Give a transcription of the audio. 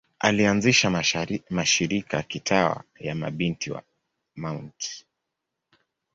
Alianzisha mashirika ya kitawa ya Mabinti wa Mt.